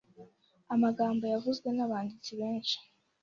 amagambo yavuzwe nabanditsi benshi